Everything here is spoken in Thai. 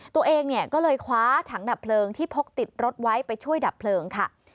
ตัวเองเนี่ยก็เลยคว้าถังดับเพลิงที่พกติดรถไว้ไปช่วยดับเพลิงค่ะ